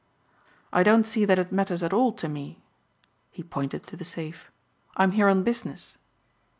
"I don't see that it matters at all to me," he pointed to the safe, "I'm here on business."